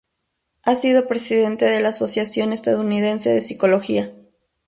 Ha sido presidente de la Asociación Estadounidense de Psicología.